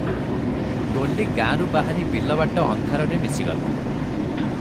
ଡୋଲି ଗାଁରୁ ବାହାରି ବିଲବାଟ ଅନ୍ଧାରରେ ମିଶିଗଲା ।